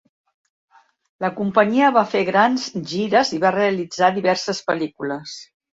La companyia va fer grans gires i va realitzar diverses pel·lícules.